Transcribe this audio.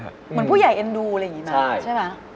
เหมือนผู้ใหญ่เอ็นดูอะไรอย่างนี้นะ